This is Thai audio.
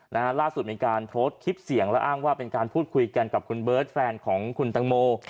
และล่าสุดคือการโทรสคลิปเสียงเป็นการภูตคุยกันกับคุณเบิร์ตแฟนของคุณตังโม